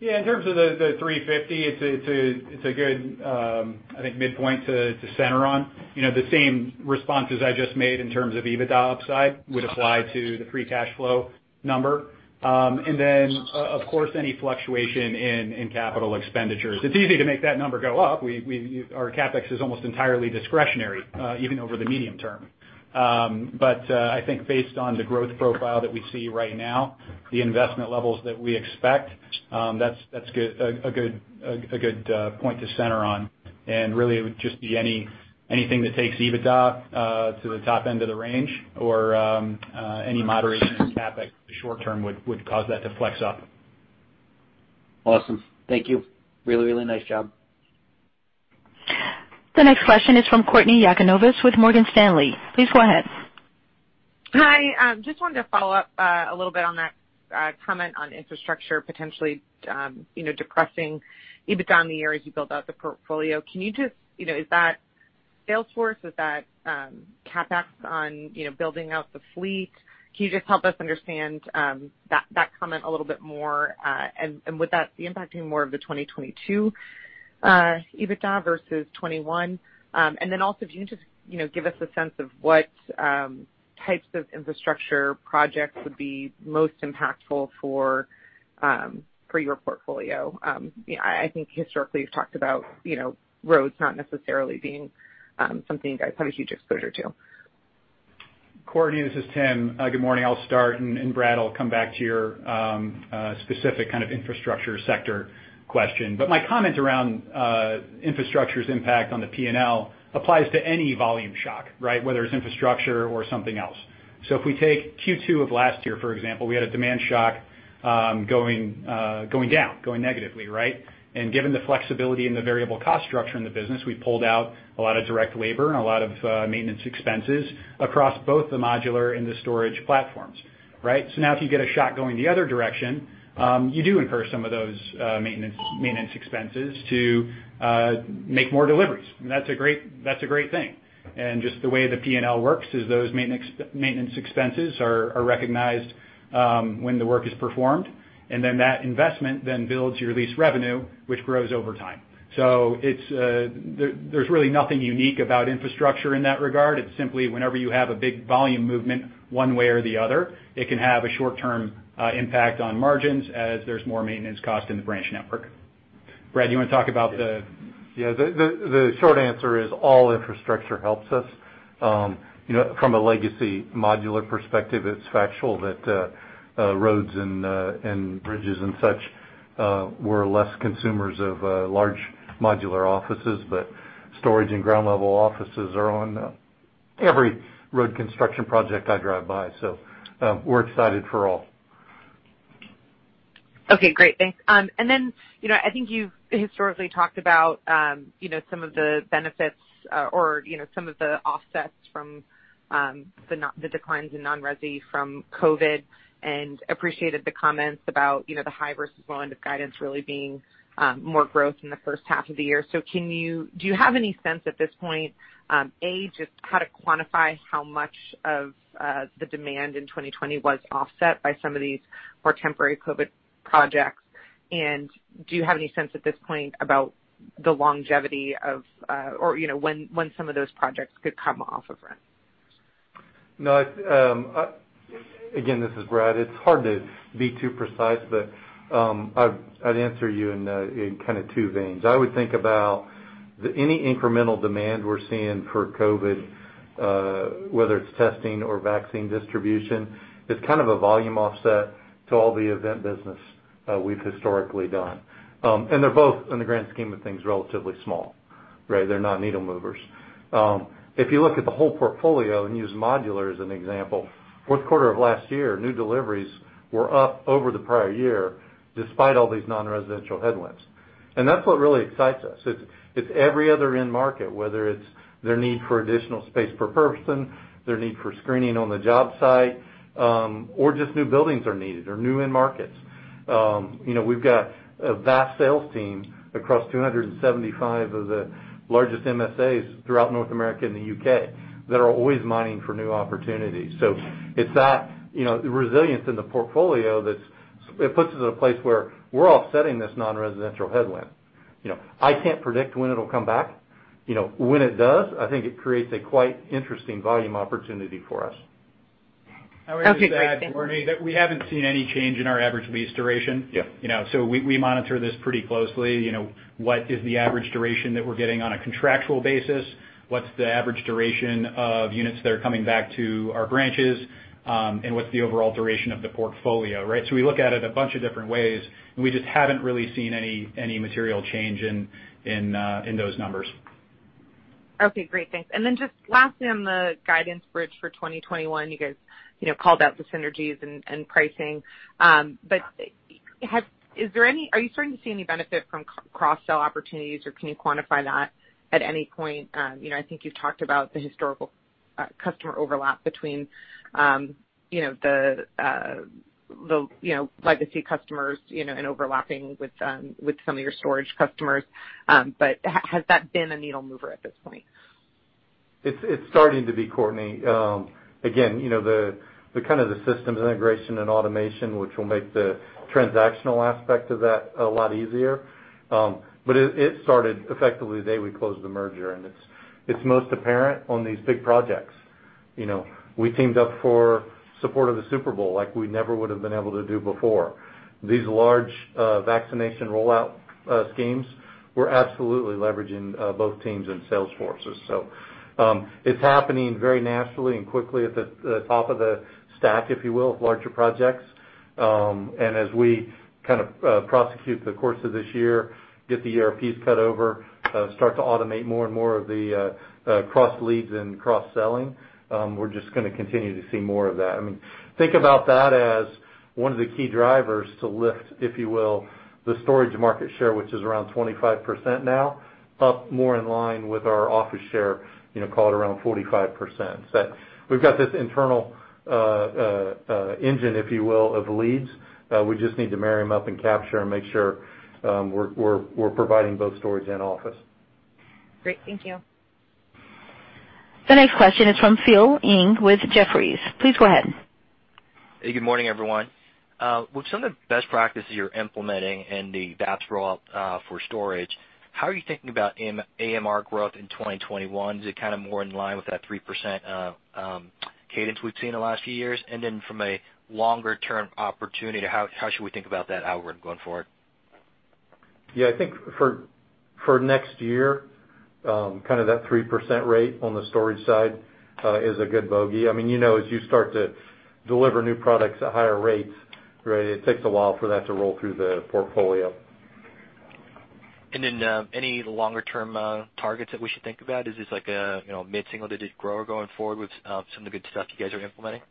Yeah. In terms of the $350 million, it's a good, I think, midpoint to center on. You know, the same responses I just made in terms of EBITDA upside would apply to the free cash flow number, and then, of course, any fluctuation in capital expenditures. It's easy to make that number go up. We, our CapEx is almost entirely discretionary, even over the medium term. But I think based on the growth profile that we see right now, the investment levels that we expect, that's good, a good point to center on. And really, it would just be anything that takes EBITDA to the top end of the range or any moderation in CapEx in the short term would cause that to flex up. Awesome. Thank you. Really nice job. The next question is from [Courtney Yakunovitz] with Morgan Stanley. Please go ahead. Hi. Just wanted to follow up a little bit on that comment on infrastructure potentially, you know, depressing EBITDA in the year as you build out the portfolio. Can you just, you know, is that sales force? Is that CapEx on, you know, building out the fleet? Can you just help us understand that comment a little bit more, and would that be impacting more of the 2022 EBITDA versus 2021? And then also, if you can just, you know, give us a sense of what types of infrastructure projects would be most impactful for your portfolio. You know, I think historically you've talked about, you know, roads not necessarily being something you guys have a huge exposure to. Courtney, this is Tim. Good morning. I'll start and Brad, I'll come back to your specific kind of infrastructure sector question. But my comment around infrastructure's impact on the P&L applies to any volume shock, right? Whether it's infrastructure or something else. So if we take Q2 of last year, for example, we had a demand shock, going down negatively, right? And given the flexibility and the variable cost structure in the business, we pulled out a lot of direct labor and a lot of maintenance expenses across both the modular and the storage platforms, right? So now if you get a shot going the other direction, you do incur some of those maintenance expenses to make more deliveries. And that's a great thing. And just the way the P&L works is those maintenance expenses are recognized when the work is performed, and then that investment then builds your lease revenue, which grows over time. So there's really nothing unique about infrastructure in that regard. It's simply whenever you have a big volume movement one way or the other, it can have a short-term impact on margins as there's more maintenance cost in the branch network. Brad, you wanna talk about the? Yeah. The short answer is all infrastructure helps us. You know, from a legacy modular perspective, it's factual that roads and bridges and such, we're less consumers of large modular offices, but storage and ground-level offices are on every road construction project I drive by. So, we're excited for all. Okay. Great. Thanks. Then, you know, I think you've historically talked about, you know, some of the benefits, or, you know, some of the offsets from the declines in non-resi from COVID and appreciated the comments about, you know, the high versus low end of guidance really being more growth in the first half of the year. So, do you have any sense at this point, A, just how to quantify how much of the demand in 2020 was offset by some of these more temporary COVID projects? Do you have any sense at this point about the longevity of, or, you know, when, when some of those projects could come off of rent? No, it's, again, this is Brad. It's hard to be too precise, but, I'd answer you in kind of two veins. I would think about any incremental demand we're seeing for COVID, whether it's testing or vaccine distribution. It's kind of a volume offset to all the event business, we've historically done. And they're both, in the grand scheme of things, relatively small, right? They're not needle movers. If you look at the whole portfolio and use modular as an example, fourth quarter of last year, new deliveries were up over the prior year despite all these non-residential headwinds. And that's what really excites us. It's, it's every other end market, whether it's their need for additional space per person, their need for screening on the job site, or just new buildings are needed or new end markets. You know, we've got a vast sales team across 275 of the largest MSAs throughout North America and the U.K. that are always mining for new opportunities. So it's that, you know, the resilience in the portfolio that's it puts us in a place where we're offsetting this non-residential headwind. You know, I can't predict when it'll come back. You know, when it does, I think it creates a quite interesting volume opportunity for us. I would just say, Courtney, that we haven't seen any change in our average lease duration. Yeah. You know, so we, we monitor this pretty closely. You know, what is the average duration that we're getting on a contractual basis? What's the average duration of units that are coming back to our branches, and what's the overall duration of the portfolio, right? So we look at it a bunch of different ways, and we just haven't really seen any material change in those numbers. Okay. Great. Thanks. And then just lastly on the guidance bridge for 2021, you guys, you know, called out the synergies and pricing. But, is there any? Are you starting to see any benefit from cross-sell opportunities, or can you quantify that at any point? You know, I think you've talked about the historical customer overlap between, you know, the legacy customers, you know, and overlapping with some of your storage customers. But, has that been a needle mover at this point? It's starting to be, Courtney. Again, you know, the kind of systems integration and automation, which will make the transactional aspect of that a lot easier. But it started effectively the day we closed the merger, and it's most apparent on these big projects. You know, we teamed up for support of the Super Bowl like we never would've been able to do before. These large vaccination rollout schemes were absolutely leveraging both teams and sales forces. So, it's happening very naturally and quickly at the top of the stack, if you will, of larger projects. And as we kind of prosecute the course of this year, get the ERPs cut over, start to automate more and more of the cross-leads and cross-selling, we're just gonna continue to see more of that. I mean, think about that as one of the key drivers to lift, if you will, the storage market share, which is around 25% now, up more in line with our office share, you know, called around 45%. So we've got this internal engine, if you will, of leads. We just need to marry them up and capture and make sure we're providing both storage and office. Great. Thank you. The next question is from Phil Ng with Jefferies. Please go ahead. Hey, good morning, everyone. With some of the best practices you're implementing in the VAPS rollout for storage, how are you thinking about AMR growth in 2021? Is it kind of more in line with that 3% cadence we've seen the last few years? And then from a longer-term opportunity, how should we think about that going forward? Yeah. I think for next year, kind of that 3% rate on the storage side, is a good bogey. I mean, you know, as you start to deliver new products at higher rates, right, it takes a while for that to roll through the portfolio. And then any longer-term targets that we should think about? Is this like a, you know, mid-single-digit grower going forward with some of the good stuff you guys are implementing?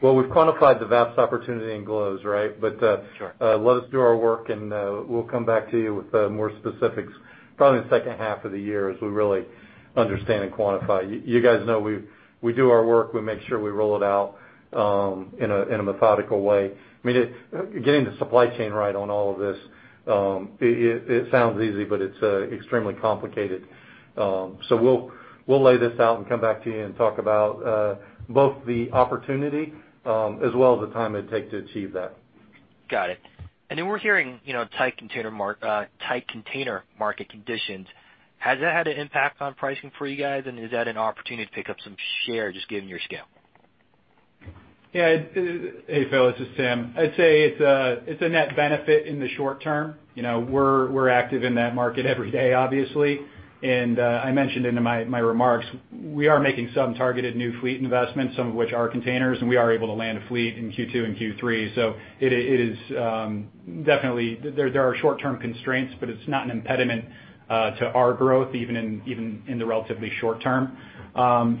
Well, we've quantified the VAPS opportunity in GLOs, right? But sure, let us do our work, and we'll come back to you with more specifics probably in the second half of the year as we really understand and quantify. You guys know we do our work. We make sure we roll it out in a methodical way. I mean, it, getting the supply chain right on all of this, it sounds easy, but it's extremely complicated. So we'll lay this out and come back to you and talk about both the opportunity, as well as the time it'd take to achieve that. Got it. And then we're hearing, you know, tight container market conditions. Has that had an impact on pricing for you guys, and is that an opportunity to pick up some share just given your scale? Yeah. It, hey, Phil, this is Tim. I'd say it's a net benefit in the short term. You know, we're active in that market every day, obviously. And I mentioned in my remarks, we are making some targeted new fleet investments, some of which are containers, and we are able to land a fleet in Q2 and Q3. So it is definitely there are short-term constraints, but it's not an impediment to our growth even in the relatively short term.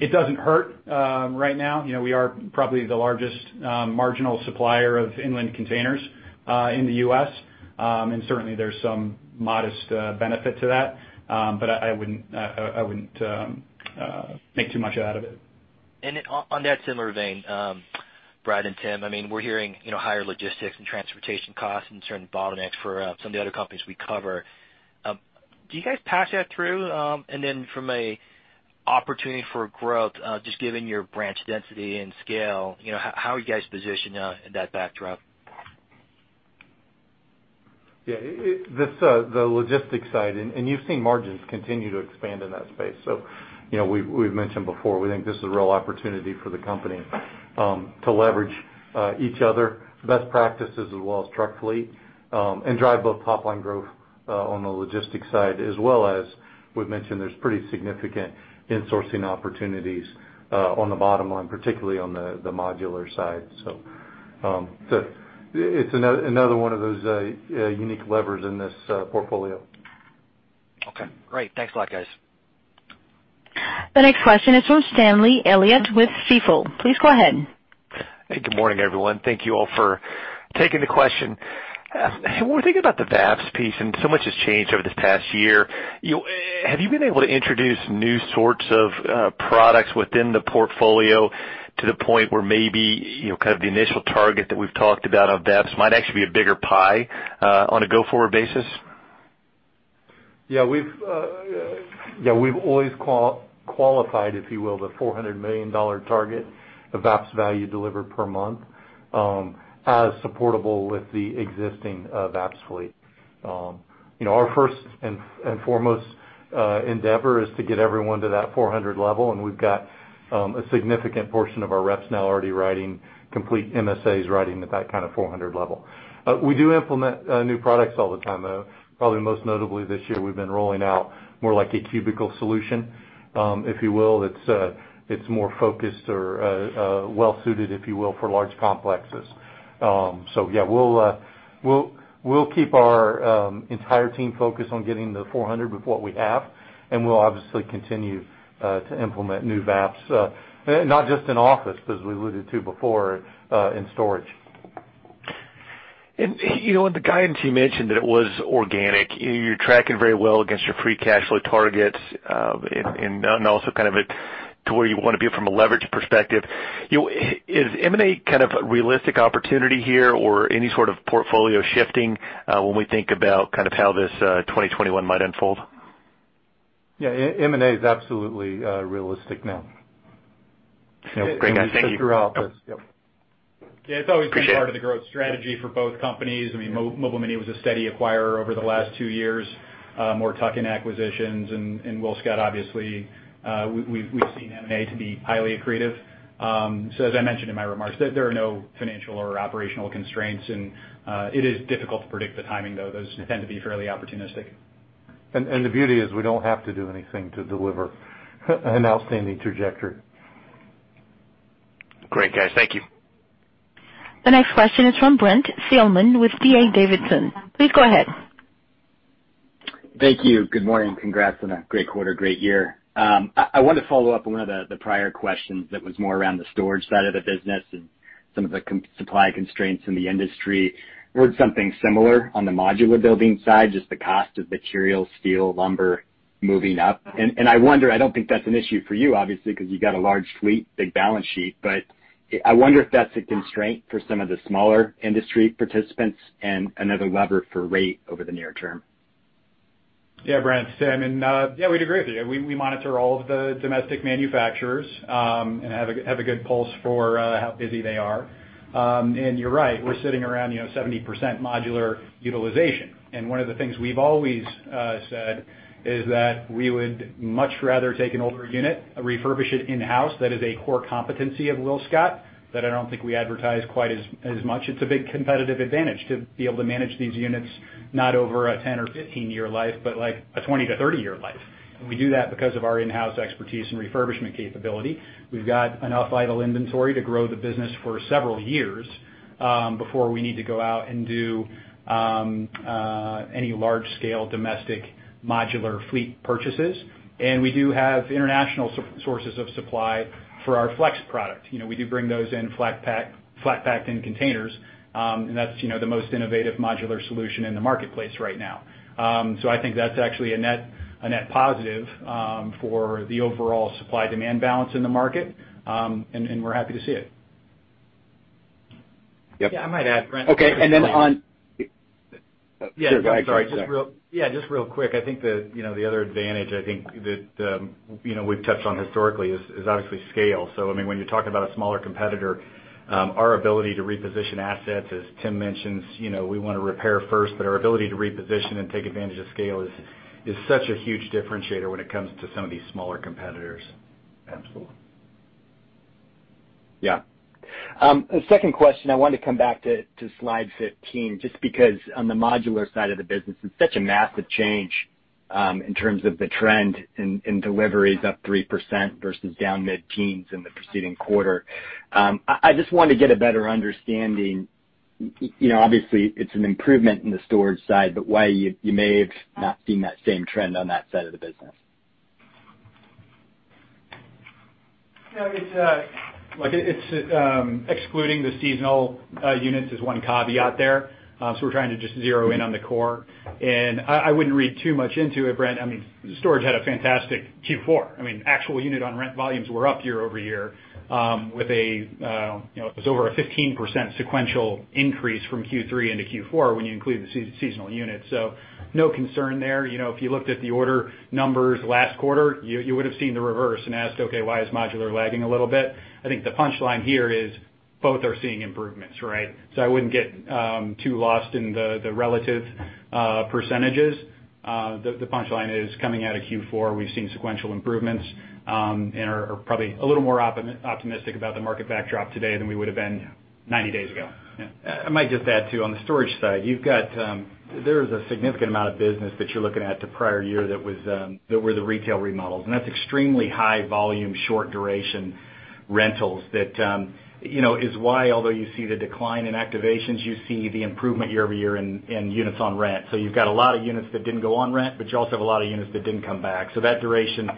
It doesn't hurt right now. You know, we are probably the largest marginal supplier of inland containers in the US, and certainly there's some modest benefit to that. But I wouldn't make too much out of it. And it on that similar vein, Brad and Tim, I mean, we're hearing, you know, higher logistics and transportation costs and certain bottlenecks for some of the other companies we cover. Do you guys pass that through, and then from a opportunity for growth, just given your branch density and scale, you know, how are you guys positioned in that backdrop? Yeah. At the logistics side, and you've seen margins continue to expand in that space. So, you know, we've mentioned before, we think this is a real opportunity for the company to leverage each other's best practices as well as truck fleet and drive both top-line growth on the logistics side, as well as we've mentioned there's pretty significant insourcing opportunities on the bottom line, particularly on the modular side. So it's another one of those unique levers in this portfolio. Okay. Great. Thanks a lot, guys. The next question is from Stanley Elliott with Stifel. Please go ahead. Hey, good morning, everyone. Thank you all for taking the question. When we're thinking about the VAPS piece and so much has changed over this past year, you know, have you been able to introduce new sorts of products within the portfolio to the point where maybe, you know, kind of the initial target that we've talked about on VAPS might actually be a bigger pie, on a go-forward basis? Yeah. We've, yeah, we've always qualified, if you will, the $400 million target of VAPS value delivered per month, as supportable with the existing VAPS fleet. You know, our first and foremost endeavor is to get everyone to that 400 level, and we've got a significant portion of our reps now already writing complete MSAs writing at that kind of 400 level. We do implement new products all the time, though. Probably most notably this year, we've been rolling out more like a cubicle solution, if you will, that's, it's more focused or, well-suited, if you will, for large complexes. So yeah, we'll keep our entire team focused on getting the 400 with what we have, and we'll obviously continue to implement new VAPS, not just in office as we alluded to before, in storage. And you know, in the guidance, you mentioned that it was organic. You're tracking very well against your free cash flow targets, and also kind of a to where you wanna be from a leverage perspective. You know, is M&A kind of a realistic opportunity here or any sort of portfolio shifting, when we think about kind of how this 2021 might unfold? Yeah. M&A is absolutely realistic now. Yeah. Great. Thank you. Just throughout this. Yep. Yeah. It's always been part of the growth strategy for both companies. I mean, Mobile Mini was a steady acquirer over the last two years, more tuck-in acquisitions, and WillScot, obviously, we've seen M&A to be highly accretive. So as I mentioned in my remarks, there are no financial or operational constraints, and it is difficult to predict the timing, though. Those tend to be fairly opportunistic. And the beauty is we don't have to do anything to deliver an outstanding trajectory. Great, guys. Thank you. The next question is from Brent Thielman with D.A. Davidson. Please go ahead. Thank you. Good morning. Congrats on a great quarter, great year. I wanna follow up on one of the prior questions that was more around the storage side of the business and some of the container supply constraints in the industry. We heard something similar on the modular building side, just the cost of material, steel, lumber moving up. And I wonder, I don't think that's an issue for you, obviously, 'cause you've got a large fleet, big balance sheet, but I wonder if that's a constraint for some of the smaller industry participants and another lever for rate over the near term. Yeah, Brent, Sam, and, yeah, we'd agree with you. We monitor all of the domestic manufacturers, and have a good pulse for how busy they are. And you're right. We're sitting around, you know, 70% modular utilization. And one of the things we've always said is that we would much rather take an older unit, refurbish it in-house. That is a core competency of WillScot that I don't think we advertise quite as much. It's a big competitive advantage to be able to manage these units, not over a 10 or 15-year life, but like a 20 to 30-year life, and we do that because of our in-house expertise and refurbishment capability. We've got enough idle inventory to grow the business for several years, before we need to go out and do any large-scale domestic modular fleet purchases. And we do have international sources of supply for our flex product. You know, we do bring those in flat-pack, flat-packed in containers, and that's, you know, the most innovative modular solution in the marketplace right now, so I think that's actually a net positive for the overall supply-demand balance in the market, and we're happy to see it. Yep. Yeah. I might add, Brent. Okay. And then on. Yeah. Sorry. Yeah. Just real quick. I think the, you know, the other advantage, I think, that, you know, we've touched on historically is obviously scale. So, I mean, when you're talking about a smaller competitor, our ability to reposition assets, as Tim mentions, you know, we wanna repair first, but our ability to reposition and take advantage of scale is such a huge differentiator when it comes to some of these smaller competitors. Absolutely. Yeah. Second question, I wanted to come back to slide 15 just because on the modular side of the business, it's such a massive change, in terms of the trend in deliveries up 3% versus down mid-teens in the preceding quarter. I just wanted to get a better understanding. You know, obviously, it's an improvement in the storage side, but why you may have not seen that same trend on that side of the business. Yeah. It's like it is, excluding the seasonal units is one caveat there. So we're trying to just zero in on the core. And I wouldn't read too much into it, Brent. I mean, storage had a fantastic Q4. I mean, actual units on rent volumes were up year over year, with a, you know, it was over a 15% sequential increase from Q3 into Q4 when you include the seasonal units. So no concern there. You know, if you looked at the order numbers last quarter, you would've seen the reverse and asked, "Okay. Why is modular lagging a little bit?" I think the punchline here is both are seeing improvements, right? So I wouldn't get too lost in the relative percentages. The punchline is coming out of Q4, we've seen sequential improvements, and are probably a little more optimistic about the market backdrop today than we would've been 90 days ago. Yeah. I might just add too, on the storage side, you've got, there is a significant amount of business that you're looking at the prior year that was, that were the retail remodels. And that's extremely high volume, short-duration rentals that, you know, is why, although you see the decline in activations, you see the improvement year over year in units on rent. So you've got a lot of units that didn't go on rent, but you also have a lot of units that didn't come back. So that duration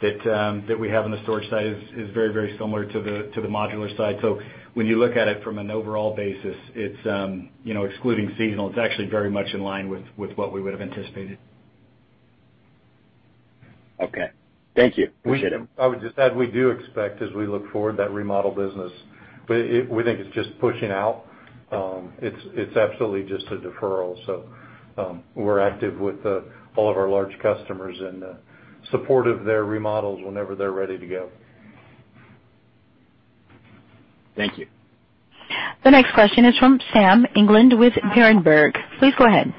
that we have on the storage side is very, very similar to the modular side. So when you look at it from an overall basis, it's, you know, excluding seasonal, it's actually very much in line with, with what we would've anticipated. Okay. Thank you. Appreciate it. We, I would just add we do expect, as we look forward, that remodel business. But it, we think it's just pushing out. It's, it's absolutely just a deferral. So, we're active with, all of our large customers and, supportive of their remodels whenever they're ready to go. Thank you. The next question is from Sam England with Berenberg. Please go ahead.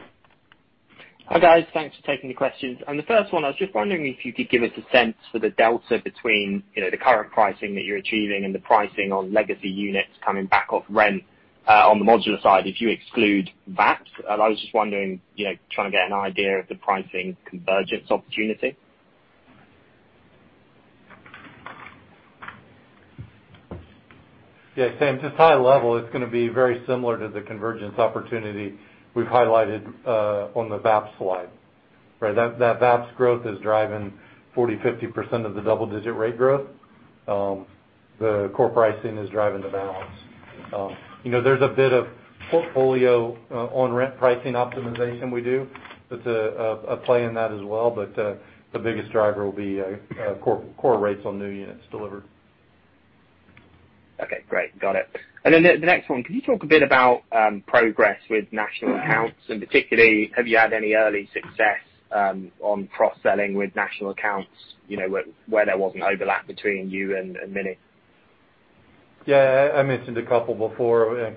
Hi, guys. Thanks for taking the questions. And the first one, I was just wondering if you could give us a sense for the delta between, you know, the current pricing that you're achieving and the pricing on legacy units coming back off rent, on the modular side, if you exclude VAPS. And I was just wondering, you know, trying to get an idea of the pricing convergence opportunity. Yeah. Sam, just high level, it's gonna be very similar to the convergence opportunity we've highlighted, on the VAPS slide, right? That, that VAPS growth is driving 40%-50% of the double-digit rate growth. The core pricing is driving the balance. You know, there's a bit of portfolio, on rent pricing optimization we do. That's a play in that as well. But, the biggest driver will be core rates on new units delivered. Okay. Great. Got it. And then the next one, could you talk a bit about progress with national accounts? And particularly, have you had any early success on cross-selling with national accounts, you know, where there wasn't overlap between you and Mini? Yeah. I mentioned a couple before,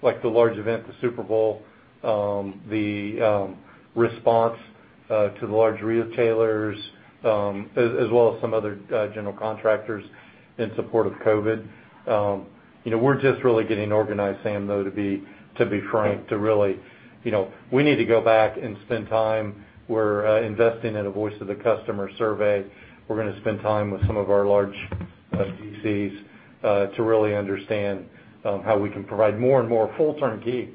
like the large event, the Super Bowl, the response to the large retailers, as well as some other general contractors in support of COVID. You know, we're just really getting organized, Sam, though, to be frank, to really, you know, we need to go back and spend time. We're investing in a voice of the customer survey. We're gonna spend time with some of our large DCs, to really understand how we can provide more and more full turnkey,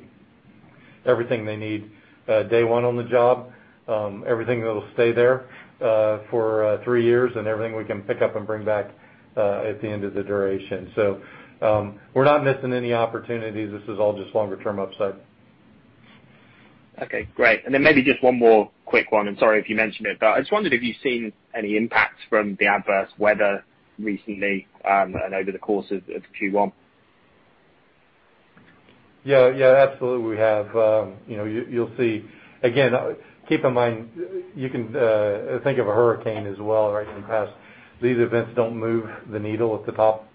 everything they need day one on the job, everything that'll stay there for three years, and everything we can pick up and bring back at the end of the duration. So, we're not missing any opportunities. This is all just longer-term upside. Okay. Great. And then maybe just one more quick one. And sorry if you mentioned it, but I just wondered if you've seen any impacts from the adverse weather recently, and over the course of Q1. Yeah. Yeah. Absolutely, we have. You know, you'll see. Again, keep in mind, you can think of a hurricane as well, right, in the past. These events don't move the needle at the top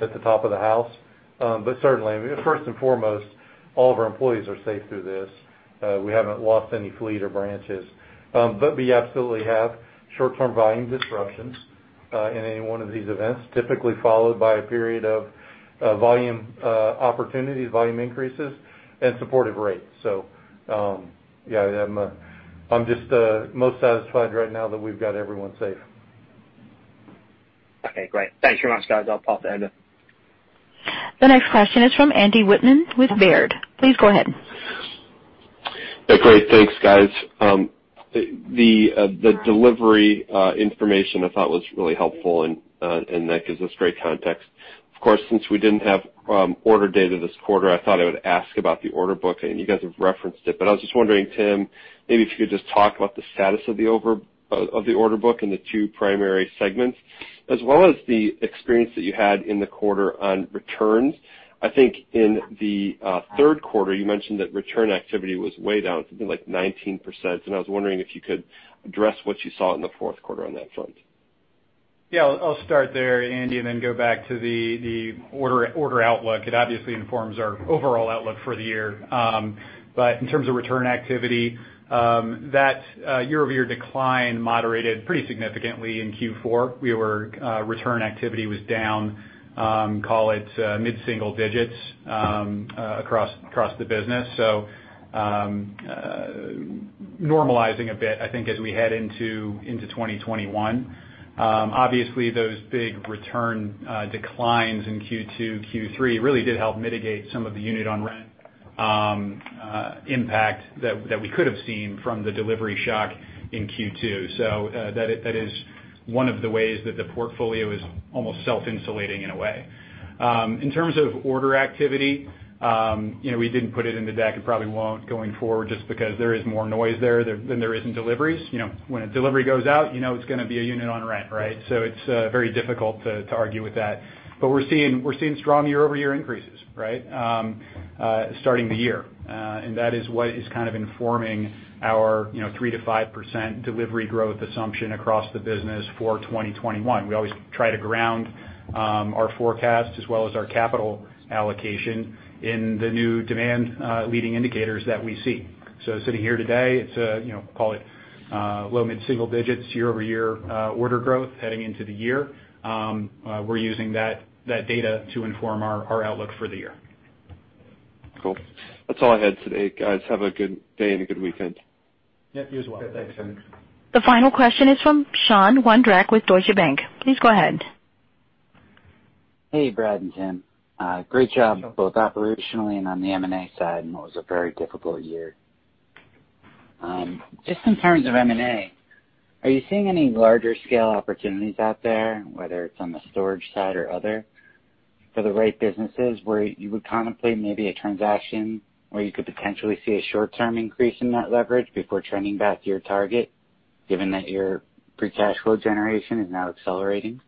of the house. But certainly, first and foremost, all of our employees are safe through this. We haven't lost any fleet or branches. But we absolutely have short-term volume disruptions in any one of these events, typically followed by a period of volume opportunities, volume increases, and supportive rates. So, yeah, I'm just most satisfied right now that we've got everyone safe. Okay. Great. Thanks very much, guys. I'll pass over. The next question is from Andy Whitman with Baird. Please go ahead. Yeah. Great. Thanks, guys. The delivery information I thought was really helpful and that gives us great context. Of course, since we didn't have order data this quarter, I thought I would ask about the order book, and you guys have referenced it. But I was just wondering, Tim, maybe if you could just talk about the status of the order book and the two primary segments, as well as the experience that you had in the quarter on returns. I think in the third quarter, you mentioned that return activity was way down, something like 19%. And I was wondering if you could address what you saw in the fourth quarter on that front. Yeah. I'll start there, Andy, and then go back to the order outlook. It obviously informs our overall outlook for the year. But in terms of return activity, that year-over-year decline moderated pretty significantly in Q4. Return activity was down, call it, mid-single digits, across the business. So, normalizing a bit, I think, as we head into 2021. Obviously, those big return declines in Q2, Q3 really did help mitigate some of the unit on rent impact that we could've seen from the delivery shock in Q2. So, that is one of the ways that the portfolio is almost self-insulating in a way. In terms of order activity, you know, we didn't put it in the deck and probably won't going forward just because there is more noise there than there is in deliveries. You know, when a delivery goes out, you know it's gonna be a unit on rent, right? So it's very difficult to argue with that. But we're seeing strong year-over-year increases, right, starting the year, and that is what is kind of informing our, you know, 3%-5% delivery growth assumption across the business for 2021. We always try to ground our forecast as well as our capital allocation in the new demand, leading indicators that we see. So sitting here today, it's a, you know, call it, low-mid-single digits, year-over-year, order growth heading into the year. We're using that data to inform our outlook for the year. Cool. That's all I had today. Guys, have a good day and a good weekend. Yep. You as well. Thanks, Sam. The final question is from Sean Wandrak with Deutsche Bank. Please go ahead. Hey, Brad and Tim. Great job. Both operationally and on the M&A side. And it was a very difficult year. Just in terms of M&A, are you seeing any larger-scale opportunities out there, whether it's on the storage side or other, for the right businesses where you would contemplate maybe a transaction where you could potentially see a short-term increase in that leverage before trending back to your target, given that your free cash flow generation is now accelerating?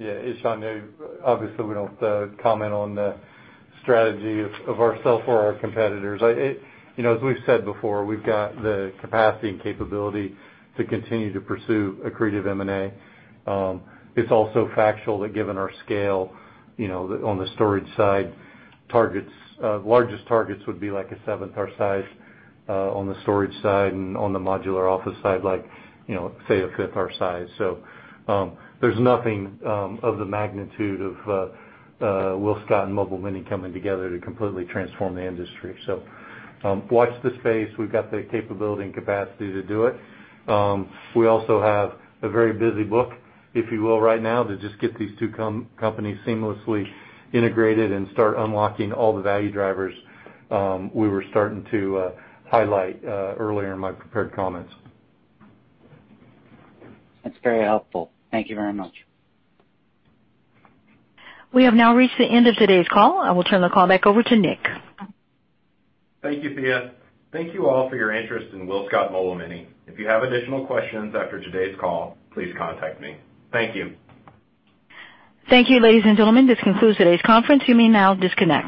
Yeah. It's obvious, we don't comment on the strategy of ourselves or our competitors. It, you know, as we've said before, we've got the capacity and capability to continue to pursue accretive M&A. It's also factual that given our scale, you know, on the storage side, largest targets would be like a seventh the size, on the storage side and on the modular office side, like, you know, say a fifth the size. So, there's nothing, of the magnitude of, WillScot and Mobile Mini coming together to completely transform the industry. So, watch the space. We've got the capability and capacity to do it. We also have a very busy book, if you will, right now, to just get these two companies seamlessly integrated and start unlocking all the value drivers, we were starting to, highlight, earlier in my prepared comments. That's very helpful. Thank you very much. We have now reached the end of today's call. I will turn the call back over to Nick. Thank you, Thea. Thank you all for your interest in WillScot Mobile Mini. If you have additional questions after today's call, please contact me. Thank you. Thank you, ladies and gentlemen. This concludes today's conference. You may now disconnect.